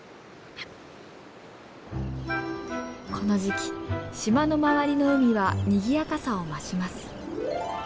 この時期島の周りの海はにぎやかさを増します。